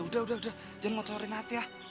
sudah sudah jangan mengotori nanti ya